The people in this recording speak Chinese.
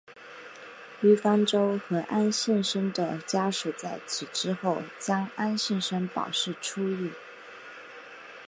于方舟和安幸生的家属在此之后将安幸生保释出狱。